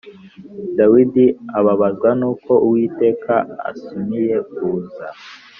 Dawidi ababazwa n’uko Uwiteka asumiye Uza.